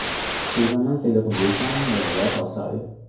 四百蚊四個同志分，每人有一舊水